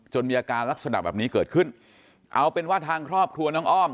มีอาการลักษณะแบบนี้เกิดขึ้นเอาเป็นว่าทางครอบครัวน้องอ้อม